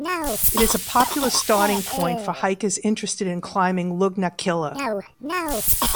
It is a popular starting point for hikers interested in climbing Lugnaquilla.